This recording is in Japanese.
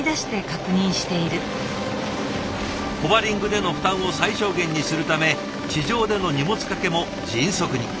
ホバリングでの負担を最小限にするため地上での荷物掛けも迅速に。